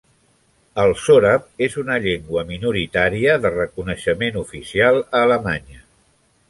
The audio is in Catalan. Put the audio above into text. El sòrab és una llengua minoritària de reconeixement oficial a Alemanya.